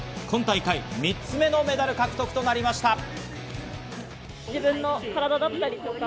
今大会３つ目のメダル獲得となりました。